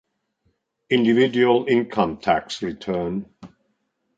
Individual Income Tax Return.